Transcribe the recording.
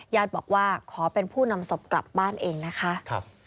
ญาติบอกว่าขอเป็นผู้นำศพกลับบ้านเองนะคะ